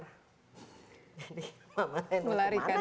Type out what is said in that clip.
jadi mama yang kemana mana